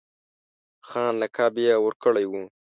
خان لقب یې ورکړی وو.